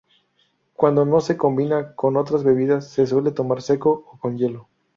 Cuando no se combina con otras bebidas, se suele tomar seco o con hielo.